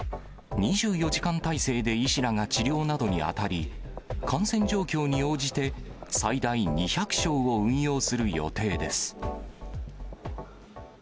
２４時間態勢で医師らが治療などに当たり、感染状況に応じて、最大２００床を運用する予定です。